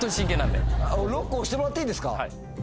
ＬＯＣＫ押してもらっていいですか？